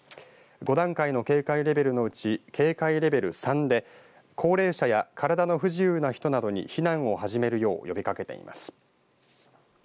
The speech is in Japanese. ５段階の警戒レベルのうち警戒レベル３で高齢者や体の不自由な人などに避難を始めるよう呼びかけています。